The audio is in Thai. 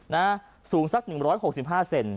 สูงสัก๑๖๕เซน